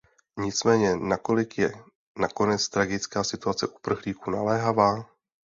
Nicméně, nakolik je nakonec tragická situace uprchlíků naléhavá?